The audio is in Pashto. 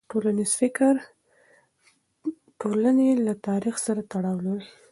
ټولنیز فکر د ټولنې له تاریخ سره تړاو لري.